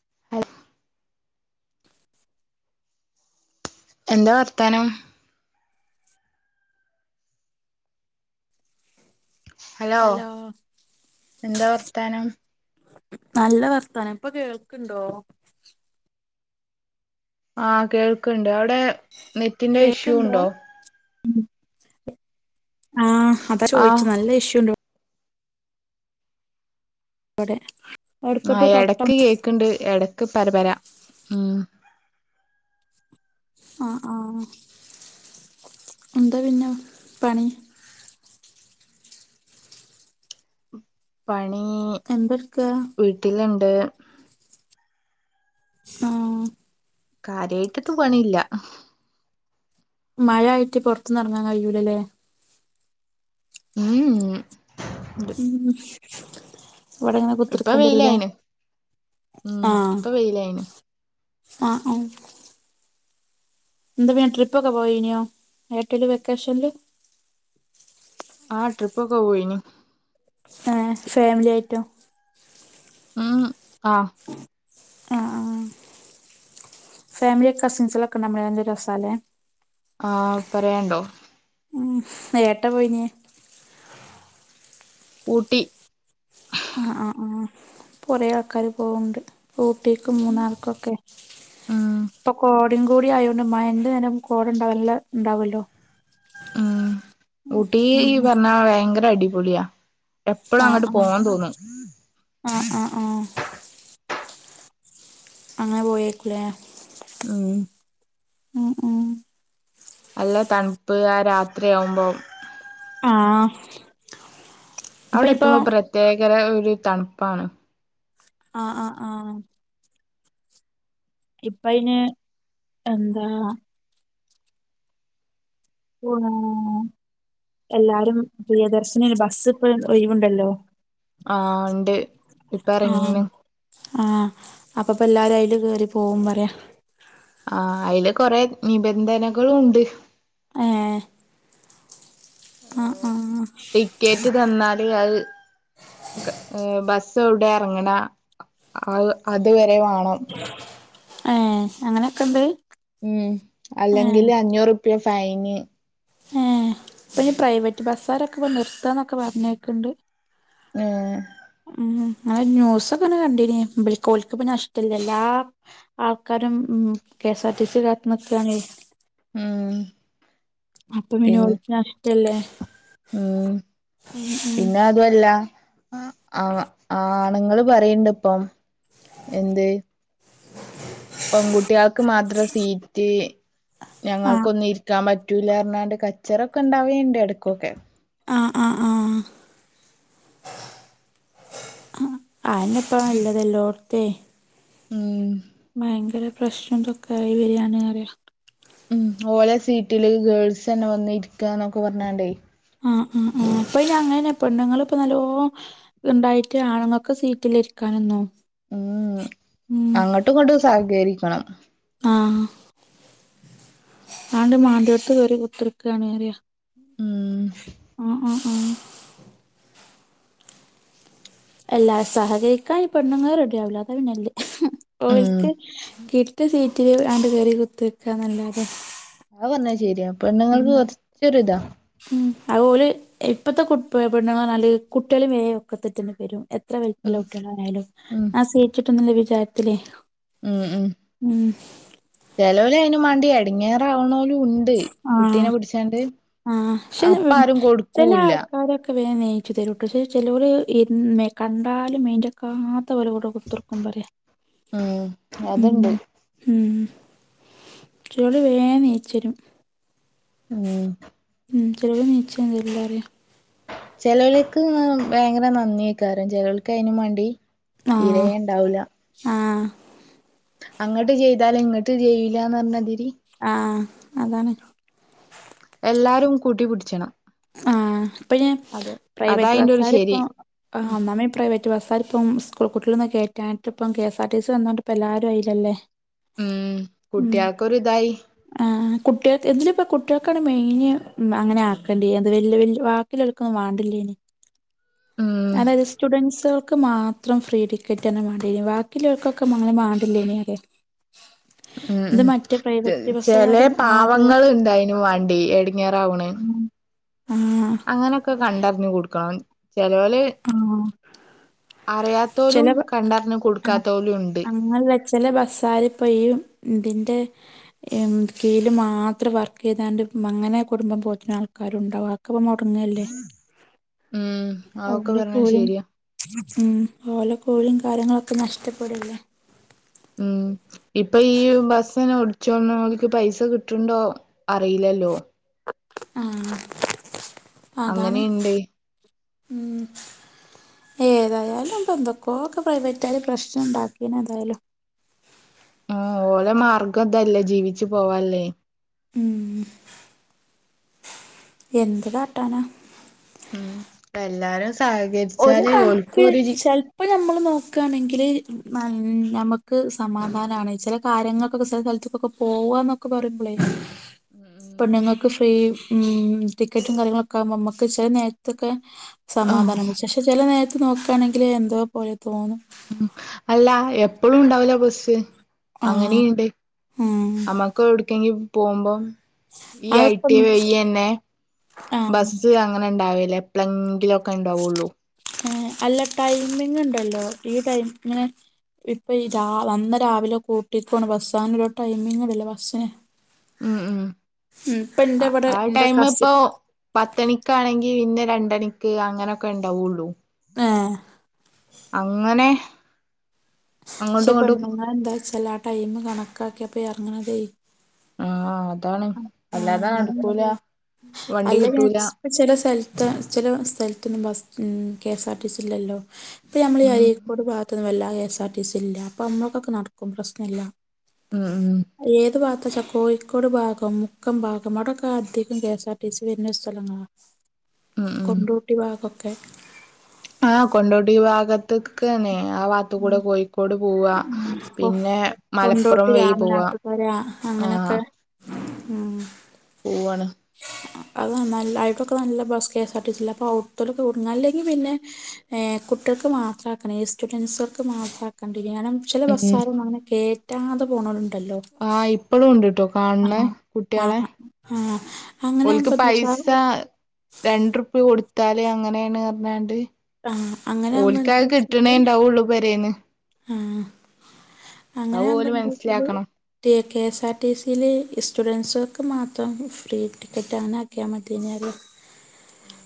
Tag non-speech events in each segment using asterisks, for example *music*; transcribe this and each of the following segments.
*unintelligible* എന്താ വർത്താനം ഹലോ എന്താ വർത്താനം നല്ല വർത്താനം ഇപ്പോ കേൾക്കിണ്ടോ ആഹ് കേൾക്ക്ണ്ട് അവടെ- കേക്ക്ണ്ടോ ഉം ആഹ് അതാ ചോയിച്ച് ആഹ് നല്ല ഇഷ്യു ഉണ്ട് ഇ അവിടെ ആഹ് എടക്ക് കേക്ക്ണ്ട് എടക്ക് പരപരാ ഉം ആഹ് ആഹ് എന്താ പിന്നെ പണി പണി എന്തെടുക്കാ വീട്ടിലുണ്ട് ആഹ് കാര്യയിട്ട്ക്ക് പണില്ല മഴയായിട്ട് പൊറതൊന്നും എറങ്ങാൻ കഴിയൂലയില്ലേ ഉം ഉം ഇവടെങ്ങനെ കുത്തി ഇപ്പൊ ഇരിക്കെണ്ടി വരുയില്ലേ വെയിലായിന് ഉം ആഹ് ഇപ്പൊ വെയിലായിന് ആഹ് ആഹ് എന്താ പിന്നെ ട്രിപ്പൊക്കെ പോയീനോ നാട്ടില് വെക്കേഷൻല് ആഹ് ട്രിപ്പൊക്കെ പോയിനി ആ ഫാമിലിയറ്റൊ ഉം ആഹ് ആഹ് ആഹ് ഫാമിലി കസിൻസിലൊക്കെ നമ്മള് എന്ത് രസാലേ ആ പറയണ്ടോ ഏട്ട പോയിഞ്ഞേ ഊട്ടി ആ ആ ആ ഇപ്പോ കുറേ ആൾക്കാാര് പോവ്ണ്ട് ഊട്ടിക്കും മൂന്നാർക്കൊക്കെ ഉം ഇപ്പൊ കോ കുടി ആയോണ്ട് മഴന്റെരം കോട ഉണ്ടാവല്ല ഉണ്ടാവല്ലോ ഉം ഊട്ടി ഉം പറഞ്ഞ ഭയങ്കര അടിപൊളിയാ എപ്പളും ആ അങ്ങട്ട് ആ പോവാൻ തോന്നും ആ ആ ആ അങ്ങനെ പോയേര്ക്കും ലേ ഉം ഉം ഉം.. നല്ല തണുപ്പ് ആ രാത്രിയാവുമ്പോം ആഹ് അവിടെ എത്തുമ്പോ പ്രത്യേകര ഒരു തണുപ്പാണ് ആഹ് ആഹ് ആഹ് ഇപ്പ അയ്ന് എന്താ *unintelligible* എല്ലാരും പ്രിയദർശിനി ബസ്സ് ഇപ്പം ഒഴിവുണ്ടല്ലോ ആഹ് ഉണ്ട് ആ ഇപ്പറങ്ങീണ് ആ അപ്പ ഇപ്പോ എല്ലാവാരും അയ്ല് കേറി പോവും പറയാ ആ അയ്ല് കൊറെ നിബന്ധനകളും ഉണ്ട് ആ ടികറ്റ് തന്നാൽ അഹ് ഏ ബസ്സ് എവ്ടെ എറങ്ങണെ അഹ് അതുവരെ വാണ്ണം.. ഏ അങ്ങനെയൊക്കെ ഇണ്ട് ഉം അല്ലെങ്കില് അഞ്ഞൂറ് റുപ്യ ഫൈന് ഏഹ് ഇപ്പൊ ഈ പ്രൈവറ്റ് ബസ്സാരൊക്കെ ഇപ്പെ നിർത്താന്നൊക്കെ പറഞ്ഞേക്ൻണ്ട് ഉം ഉം അങ്ങനെ ന്യൂസൊക്കെ കണ്ടിന് ബെൽക് ഓൽക്ക് ഇപ്പ നഷ്ടില്ലല്ലാ എല്ലാ ആൾക്കാരും ഉം K S R T C കാത്ത് നിക്കുകാണ്.. ഉം അപ്പ പിന്നെ പിൻ ഓൽക്ക് നഷ്ടല്ലേ ഉം ഉം ഉം പിന്നെ അതൊല്ലാ ആ ആ ആണുങ്ങൾ പറയണ്ട് ഇപ്പം എന്ത് *inaudible* പെൺകുട്ട്യാൾക്ക് മാത്രം സീറ്റ് ആഹ് ഞങ്ങൾക്ക് ഒന്നും ഇരിക്കാൻ പറ്റ റ്റുലന്ന്റാഞ്ഞാണ്ട് കച്ചറൊക്കെ ഉണ്ടാവൽ ഇൻണ്ട് എടക്ക് ഒക്കെ ആ ആ ആ ആയ്നെപ്പം നല്ലത് എല്ലാഓട്ത്തെ ഉം ഭയങ്കര പ്രശ്നംന്തൊക്കൊയി വെരാണ് ന്ന് പറയാ ഉം ഓല സീറ്റില് ഗേൾസ്ന്നെ വന്നിരിക്കന്നൊക്കെ പറഞ്ഞണ്ടേ ആ അ ആ ഇപ്പൊ അയ്ന് അങ്ങനെല്ലാ പെണ്ണുങ്ങൾ ഇപ്പോ നല്ലോ ഇണ്ടായിട്ട് ആണുങ്ങൾക്ക് സീറ്റിലിരിക്കാനെന്നും ഉം ഉം അങ്ങോട്ടും ഇങ്ങണ്ടും സഹകരിക്കണം ആ ആണ്ട് മാണ്ടിയോടത്ത് കേറി കുത്ത്ർക്കാണ് പറയാ ഉം ഉം ഉം ഉം എല്ലാരും സഹകരിക്കാ ഈ പെണ്ണങ്ങൾ റെഡിയ ആവില്ലാ അതാ പിന്നെള്ള ഉം ഒല്ക്ക് കിട്ട്യ സീറ്റില് ആണ്ട് കേറി കുത്തർക്കാന്നല്ലാതെ. അഹ് പറഞ്ഞാ ശെര്യാ പെണ്ണ്ങ്ങക്ക് കൊർച്ചൊരു ഇതാ. അഹ് ഓല് ഇപ്പത്തെ കു പെണ്ണങ്ങള്ർഞ്ഞാല് കുട്യള്യും വേം ഒക്കത്തെട്ടിയണ്ട് വരും. എത്ര ഉം വലിപ്പല്ല കുട്ടോളാണഗിലും ഉം ആഹ് സീറ്റിട്യൂനുള്ള വിചാരത്തിലേ ഉം ഉം ഉം ചേലോര് അയിന് മാണ്ടി എടങ്ങേറാവണല് ഉ ണ്ട് ആഹ് കുട്ടീനെ പിടിച്ചണ്ട് ആഹ് അപ്പ ആരും കൊടുക്കൂല്ല ഒക്കെ വേം നീച്ചു തരും ക്ക് പക്ഷ ചേലോരെ ന്ന് കണ്ടാലും മെൻ്റെക്കകത്ത പോല കൂതീർക് പറയാ ഉം ഉം അതുണ്ട് ഉ ചേലോല് വേം നീചെരും. ഉം ഉ ചേലോല് ണീ ചോന്നുംതര്ലാരേയും. ചേലോൽക് ഭയങ്കര നന്ദിയേകാരം ചേലോൽക് അയ്നു മാണ്ടി തീരേണ്ടാവൂല. ആഹ. അങ്ങട്ട് ചെയ്താലേ ഇങ്ങട്ട് ചെയ്യൂ ലാർഞ്ഞതിരി ആഹ് അതാണ്. എല്ലാരും കൂട്ടിപുടിച്ചണം. ആ ഇപ്പ ഞാൻ അതാ പ്രൈവറ്റ് അയിന്റെ ഒരു ബസ്സാര് ശരി ഇപ്പോ ആ ഉം ഒന്നാമായിപ്പോ പ്രൈവറ്റ് ബസ്സാർ ഇപ്പം സ്കൂൾ കുട്ടികളൊന്നക്ക കയറ്റാനായിട്ട്പ്പ K S R T C വന്നുണ്ട് പ്പെല്ലാരും അയില്ലല്ലേ. ഉം കുട്ടികൾക്ക് ഒരു ഇതായി. ആഹ് കുട്ടികൾക്ക് ഇതില് ഇപ്പ കുട്ടികൾക്കാണ് മെയിന് അങ്ങനെ ആ *unintelligible* വാക്കിലെടുക്കൊ ന്നും വാണ്ടില്ല്യേനി. ഉം അതായത് സ്റ്റുഡൻസേൾക്ക് മാത്രം ഫ്രീ ടിക്കറ്റന്നെ മാണ്ടീനി വാക്കില്ലോൾക്കൊക്കെ അങ്ങനെ മാണ്ടില്ലേനീ അറ്യ *inaudible* ഉം ഉം ചേ, ചേലെ ബസ്സുകാരും ആകെ പാവങ്ങൾ ഇണ്ടായിൻവണ്ടി എടങ്ങേറാവ്ണ് ഉം അങ്ങനൊക്കെ കണ്ടറിഞ്ഞ് കൊടുക്കണം ചേലോല് ആ അറിയാത്തോലും ചില ബ കണ്ടറിഞ്ഞു കൊടുക്കാതോലും ണ്ട്. ചെല ബസ്സാരി പ്പയും ഇതിന്റെ എം കേല് മാത്രം വർക്ക് ചെയ്താണ്ട് മങ്ങനെ കുടുംബം പോറ്റണ ആൽക്കാരും ഇണ്ടാവാം *unintelligible* മ്ഹ് ഓല കൂലി ഉം ഓല കൂലിം കാര്യങ്ങളൊക്കെ നഷ്ടപ്പെടല്ലേ ഉം *inaudible* ഇപ്പൊ ഈ ബസ്സന്നെ ഒടിച്ചോണക്ക് പൈസ കിട്ടണ്ടോ അറിയില്ലല്ലോ? ഉം അതാണ് അങ്ങനെയുണ്ട് ഉം ഏതായാലും ഇപ്പൊ എന്തൊക്കോ പ്രൈവറ്റായല് പ്രശ്നം ഉണ്ടാക്കീന എന്തായാലും. ആഹ് ഓലെ മാർഗം ഇതല്ലേ ജീവിച്ചു പോവല്ലേ. ഉം എന്ത് കാട്ടാനാ. ഉം എല്ലാരും സഹകരിച്ചാലേ ഓല്‍ക്ക് ഒരു ഇപ്പൊ ഞമ്മൾ നോക്കുകയാണെങ്കിൽ ഞമുക്ക് സമാധാനമാണ് ചില കാര്ങ്ങൾക്കൊക്കെ ചില സ്ഥലത്തക്കൊക്കെ പോവാന്നൊക്കെ പറയുമ്പോളേ പെണ്ണുങ്ങക് ഇപ്പ ഈ ഉം ടിക്കറ്റും കാര്യങ്ങളൊക്കാവുമ്പോ മ്മക്ക് ചെല നേരത്ത്ക്കെ ആഹ് സമാധാനാണ് പക്ഷെ ചെല നേരത്ത് നോക്കാണെങ്കില് എന്തോ പോലെ തോന്നും. ഉമ് അല്ല എപ്പഴും ഉണ്ടവൂല ബസ്സ്. ആഹ്. അങ്ങനെയണ്ട് ഉം. അമ്മക്ക് എവിടക്കെങ്കി പോകുമ്പോം. ഈ അതിപ്പം ഐടി വയ്യന്നെ ആഹ് ബസ് അങ്ങ അങ്ങനെ ണ്ടാവേല്ലേ പ്ലെങ്കിലൊക്കെ ഉണ്ടാവുള്ളൂ. അല്ല ടൈമിങ് ണ്ടല്ലോ ഈ ടൈ ഇങ്ങനെ ഇപ്പോ ഈ രാ വന്ന രാവിലെ കൂട്ടിക്കോണ ബസ്സാ ന്നൊരു ടൈമിങ്ങ് ഇല്ലല്ലോ ബസ്സിന് ഉം ഉം ഉം ഇപ്പ എന്റെ ആ ഇവിടെ ആ എന്റെ ടൈം ഇപ്പൊ കസിൻ പത്തണിക്കാണെങ്കി പിന്നെ രണ്ടണിക്ക് അങ്ങനെയൊക്കെ ഉണ്ടാവുള്ളൂ ഏഹ് അങ്ങനെ അങ്ങോട്ടും പക്ഷെ ഇങ്ങോട്ടും പെണ്ണുങ്ങൾ എന്താ വെച്ചാ ആ ടൈം കണക്കാക്കിയപ്പ ഇറങ്ങണെതെ ആഹ് അതാണ് അല്ലാത നടക്കൂല അങ്ങനെണ്ട്. വണ്ടി അല്ല കിട്ടൂല ഇപ്പ ചില സ്ഥലത്ത ചില സ്ഥലത്തൊന്നും bus KS R T C ഇല്ലല്ലോ ഇപ്പ നമ്മള ഉം അഴിക്കോട് ഭാഗത്തൊന്നും വല്ലാ K S R T C ഇല്ല അപ്പൊ നമ്മൾക്കൊക്കെ നടക്കും പ്രശ്നല്ല ഉം ഉം ഏത് ഭാഗത്തച്ചാ കോയിക്കോട് ഭാഗ മുക്കം ഭാഗം അവ്ടൊക്കെ അധികം K S R T C വരുന്ന *unintelligible* ഉം ഉം റൂട്ടി ഭാഗകൊക്കെ ആഹ് കൊണ്ടോട്ടി ഭാഗത്തക്ക് തന്നെ ആ ഭാഗത്ത് ഉം. കൂടെ കോഴിക്കോട് പോവാ ഉം. കൊ പിന്നെ മലപ്പുറം കൊണ്ടോട്ടി വഴി പോവാ രാമനാട്ടുകര ആ അങ്ങനൊക്കെ ഉം പോവാണ് *unintelligible* നല്ല bus K S R T സില്ല *unintelligible* അല്ലെങ്കിൽ പിന്നെ ഏഹ് കുട്ടികക്ക് മാത്രാക്കണം സ്റ്റുഡൻറ്സുകൾക്ക് മാത്രാക്കണ്ടീനും കാണം ചില ഉം ബസ്സാരൊന്നും അങ്ങനെ കേറ്റാതെ പോണോലുണ്ടല്ലോ ആയിപ് എപ്പഴും ഉണ്ട് കേട്ടോ കാണണ് ആഹാ. കുട്ടികളെ ആഹ്. ആഹ്. അങ്ങനെ ഓൽക്ക് ആവുമ്പോ പൈസ എന്താച്ചാല് രണ്ട റുപ്പി കൊടുത്താല് അങ്ങനെയാണ് പറഞ്ഞാണ്ട് ആഹ് അങ്ങനെ ആവുമ്പോ ഓൽക്ക് അതു കിട്ടണേ എന്താച്ചാല് ഇണ്ടാവുള്ളൂ പൊരേന്ന് ആഹ് അത് ഓല് അങ്ങനെയാകുമ്പോൾ *unintelligible* മനസ്സിലാക്കണം ട്ടി കെ എസ് ആർ ടി സില് സ്റ്റുഡൻറ്സുകൾക്ക് മാത്രം ഫ്രീ ടിക്കറ്റ് ആന്നാ *unintelligible* ഉം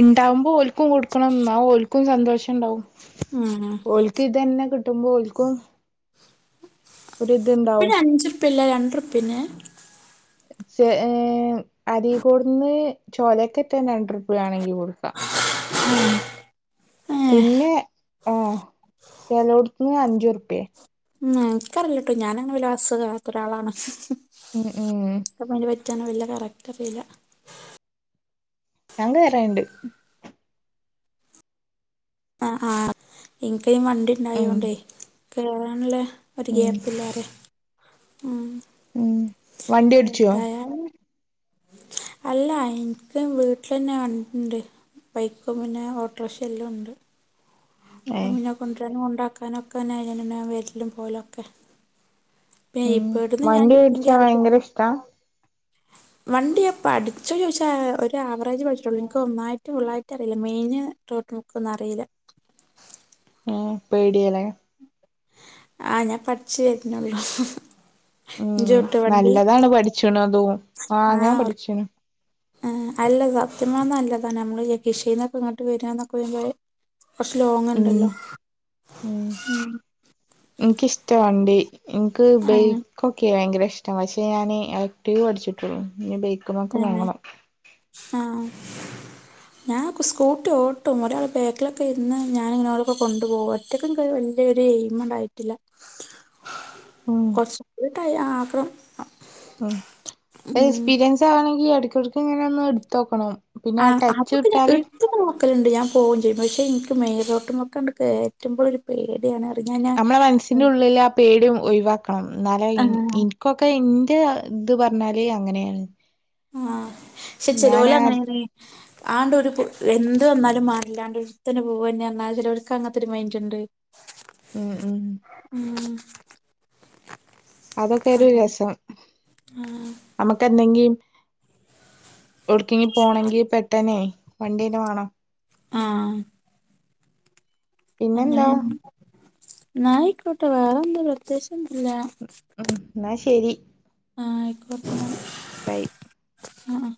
ഇണ്ടാവുമ്പോ ഒൽക്കും കൊടുക്കണം എന്നാ ഒൽക്കും സന്തോഷം ഉണ്ടാവും ഉം ഉം ഓൽക്ക് ഇത് തന്നെ കിട്ടുമ്പോൾ ഓൽക്കും എപ്പഴ ഒരിതുണ്ടാവും അഞ്ചുർപ്പല്ല രണ്ടുർപ്പെന്നേ ഛെ ഏഹ് അരീക്കോടുന്ന് ചോലേക്കെറ്റ രണ്ടുർപിയ ആണെങ്കി കൊടുക്കാ ഉം പിന്നെ ആഹ് ചിലോടുത്തുന്ന് അഞ്ചുർപ്പ്യെ ഉം എനിക്കറിയില്ല ട്ടോ ഞാനങ്ങനെ വല്ല ബസ്സ്‌ കേറാത്ത ഒരാളാണ് ഉം ഉം *unintelligible* വല്ല കറക്റ്റ് അറിയില്ല ഞാ കേറേണ്ട് എൻക്കയ്ന് വണ്ടി ഉം ഉണ്ടായോണ്ടേ കേറാനുള്ള ഒരു ഉം ഗ്യാപ്പ് ഇല്ലാ പറയാ ഉം ഉം വണ്ടി *unintelligible* ഓടിച്ചോ അല്ല എനക്ക് വീട്ടിൽ തന്നെ ഉണ്ട് ബൈക്കും പിന്നെ ഓട്ടോറിക്ഷ എല്ലാം ഉണ്ട് ഏ അപ്പം പിന്നെ കൊണ്ടരാനും കൊണ്ടാക്കാനും ഒക്കെന്നെ *unintelligible* വരലും പോലൊക്കെ ഉം വണ്ടി ഓടിച്ചാ ഭയങ്കര *unintelligible* ഇഷ്ടാ വണ്ടിയാ പഠിച്ച ചോദിച്ചാ ഒരു ആവറേജ് പഠിച്ചിട്ടുള്ളൂ എനിക്ക് ഒന്നായിട്ടും ഫുള്ളായിട്ടും അറിയില്ല മെയിന് *unintelligible* അറിയില്ല അയേ പേടിയാ ലേ? ആ ഞാൻ പഠിച്ചു വരുന്നുള്ളു. ഉം നല്ലതാണ് പഠിചണുതും. ആ ഞാൻ പഠിച്ചണു. ഏഹ് അല്ല സത്യം പർനാ നല്ലതാ നമ്മളീ യകിഷീന്നൊക്കെ ഇങ്ങട്ട് വരാ ന്നൊക്കെ വമ്പോയെ കൊർച്ചു ഉം ലോങ്ങിണ്ടല്ലോ ഉം ഇൻക്ക് ഇഷ്ട വണ്ടി ഇൻക്ക് ആ ബൈക്കൊക്കെ ഭയ്ങ്കര ഇഷ് പക്ഷേ ഞാൻ ആക്റ്റീവ് പട്ച്ചിട്ടുള്ളൂ നി ബൈ തന്നെ ആഹ് ഞാൻ കു സ്കൂട്ടിഓട്ടും. ഒരാള് ബേക്കിലൊക്കെ ഇരുന്ന്, ഞാനിങ്ങനോലൊക്കെ കൊണ്ടു പോവു റ്റക്ക് ഇൻകൊരു വല്യൊരു എയിമണ്ടായിട്ടില്ല ഉം കൊറച്ച് ടൈം ആകും ഉം എക്സ്പീരിയൻസാവണെങ്കി എടക്കെട്ക്ക് ഇങ്ങനൊന്ന് ഇട്ത്തോക്കണം പിന്നാ ടെച്ച് വിട്ടാല് നോക്കലുണ്ട്ഞാൻ പോകും ചെയ്യും പക്ഷെ എനിക്ക് മെയിലോട്ട് കേറ്റുമ്പള് ഒരു പേടിയാണ് അറിഞ്ഞാഞാ നമ്മളെ മനസ്സിന്റെ ഉള്ളില്ലാ ആ പേടിം ഒഴിവാക്കണം ന്നാല ആ ഇൻ ഇൻ കൊക്കെ ഇന്റെ ഇത് പറഞ്ഞാല് അങ്ങനേണ് ആഹ് ക്ഷെ ചെലോൽ അങ്ങനെ ടീ ആണ്ടൊരു പൊ എന്ത് വന്നാലും മാണ്ടില്ലാണ്ട്ട്ത്തന പോവന്നെ ന്നാ ചെലോൽക്കങ്ങതൊരു മൈൻ്റ്ണ്ട് ഉം ഉം ഉം അതൊക്കെരു അങ്ങനെ രസം അമ്മക്കെന്തെങ്കിം ഓൾക്കിനി പോണങ്കിൽ പെട്ടനേ വണ്ടീനെ വേണം ആഹ് അങ്ങനെ പിന്നെന്താ ന്നാ ഐക്കോട്ടെ. വേറെന്ത പ്രത്യേകിച്ചൊന്നുല്ലാ ഉം എന്നാ ശരി ആയിക്കോട്ടെ ബൈ ആഹ് ആഹ്